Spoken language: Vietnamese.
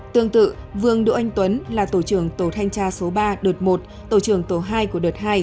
tương tự vương đỗ anh tuấn là tổ trưởng tổ thanh tra số ba đợt một tổ trưởng tổ hai của đợt hai